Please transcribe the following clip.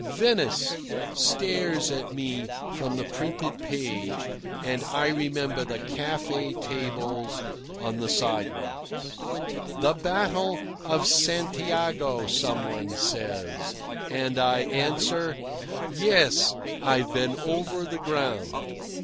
"Venice" stares at me from the printed page, and I remember the cafe tables on the sidewalks. "The Battle of Santiago," some one says, and I answer, "Yes, I've been over the ground."